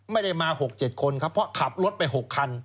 ไม่ได้มา๖๗คนครับเพราะขับรถไป๖คัน